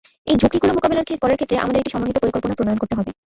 এই ঝুঁকিগুলো মোকাবিলা করার ক্ষেত্রে আমাদের একটি সমন্বিত পরিকল্পনা প্রণয়ন করতে হবে।